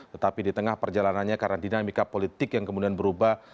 tetapi di tengah perjalanannya karena dinamika politik yang kemudian berubah